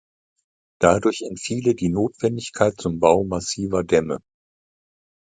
Dadurch entfiele die Notwendigkeit zum Bau massiver Dämme.